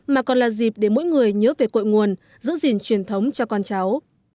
mà còn là dịp để mỗi người nhớ về cội nguồn giữ gìn truyền thống cho con cháu